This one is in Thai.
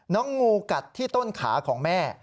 งูกัดที่ต้นขาของแม่